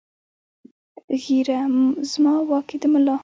ږیره زما واک یې د ملا!